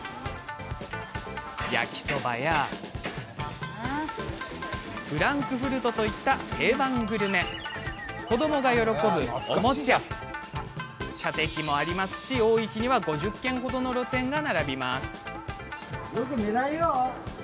焼きそばやフランクフルトといった定番グルメ子どもが喜ぶ、おもちゃ射的など、多い日には５０軒程の露店が並びます。